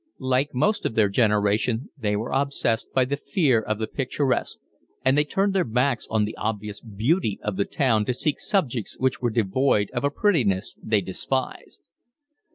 Like most of their generation they were obsessed by the fear of the picturesque, and they turned their backs on the obvious beauty of the town to seek subjects which were devoid of a prettiness they despised.